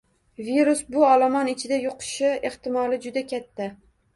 Virus bu olomon ichida yuqishi ehtimoli juda katta